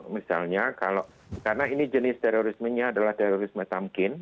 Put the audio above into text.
misalnya kalau karena ini jenis terorismenya adalah terorisme tamkin